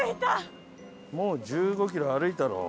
もう１５キロ歩いたろう。